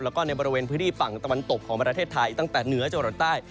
แล้วก็ในบริเวณพื้นที่ฝั่งตะวันตกของประเทศไทยตั้งแต่เหนือจรดใต้